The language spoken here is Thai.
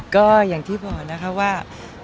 ก็อย่างที่บอกนะคะว่า